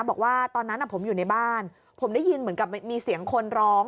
บอกว่าตอนนั้นผมอยู่ในบ้านผมได้ยินเหมือนกับมีเสียงคนร้อง